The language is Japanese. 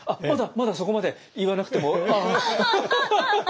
まだまだそこまで言わなくても。